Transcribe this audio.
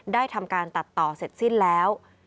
ได้ทำการตัดต่อเสร็จสิ้นแล้ว